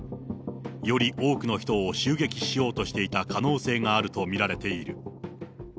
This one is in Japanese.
より多くの人を襲撃しようとしていた可能性があると見られている。